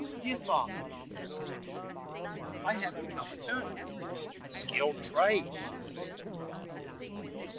"Dear father," said he, "I have become a turner." "A skilled trade," said the father.